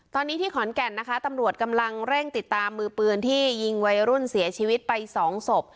ตอนนี้ที่ขอนแก่นนะคะตำรวจกำลังเร่งติดตามมือปืนที่ยิงวัยรุ่นเสียชีวิตไปสองศพ